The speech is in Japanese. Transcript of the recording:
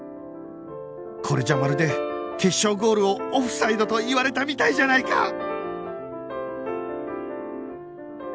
これじゃまるで決勝ゴールをオフサイドと言われたみたいじゃないか！